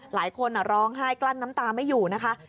หลายคนร้องไห้กลั้นน้ำตาไม่อยู่นะคะ